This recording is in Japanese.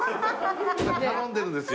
頼んでるんですよ。